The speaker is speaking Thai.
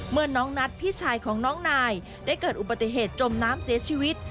เมื่อน้องนัทพี่ชายของน้องนายได้เกิดอุบัติเหตุจมน้ำเสียชีวิต